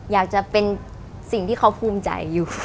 อยากจะเป็นสิ่งที่เขาภูมิใจอยู่